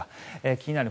気になる